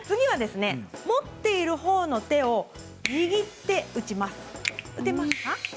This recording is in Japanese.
持っているほうの手を握って打ちます。